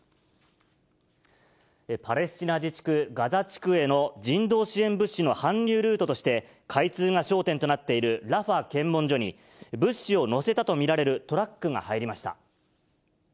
パレスチナ自治区ガザ地区への人道支援物資の搬入ルートとして開通が焦点となっているラファ検問所に、物資を載せたと見られるトラックが入りました。